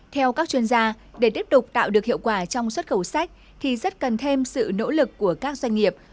theo các chuyên gia để tiếp tục tạo được hiệu quả trong xuất khẩu sách thì rất cần thêm sự nỗ lực của các doanh nghiệp